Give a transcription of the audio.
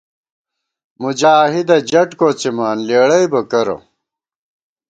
مُجاہِدہ جٹ کوڅِمان لېڑَئیبہ کرہ